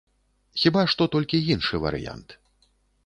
Хіба што толькі іншы варыянт.